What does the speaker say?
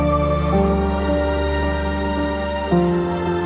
aku mau denger